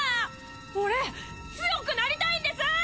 俺強くなりたいんです！